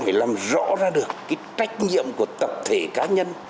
phải làm rõ ra được cái trách nhiệm của tập thể cá nhân